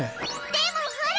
でもほら！